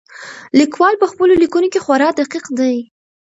لیکوال په خپلو لیکنو کې خورا دقیق دی.